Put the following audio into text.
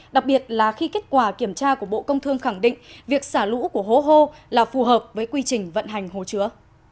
đặc biệt là khi kết quả kiểm tra của bộ công thương khẳng định việc xả lũ của hố hô là phù hợp với quy trình vận hành hồ chứa